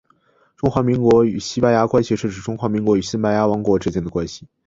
中华民国与西班牙关系是指中华民国与西班牙王国之间的关系。